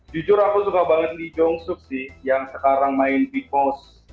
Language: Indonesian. jujur aku suka banget lee jong suk sih yang sekarang main big mouth